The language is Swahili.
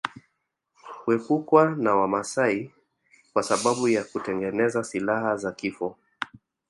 Huepukwa na Wamaasai kwa sababu ya kutengeneza silaha za kifo